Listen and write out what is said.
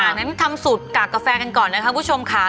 งั้นทำสูตรกากกาแฟกันก่อนนะคะคุณผู้ชมค่ะ